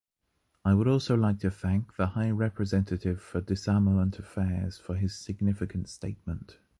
I would also like to thank the High Representative for Disarmament Affairs for his significant statement.